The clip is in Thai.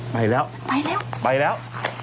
ไปแล้วไปแล้ว